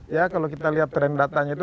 ya kalau kita lihat tren datanya itu